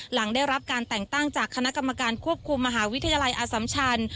หลังได้รับการแต่งตั้งจากคณะกรรมการควบคุมมหาวิทยาลัยอสัมชัน